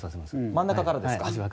真ん中からです。